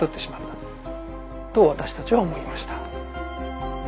と私たちは思いました。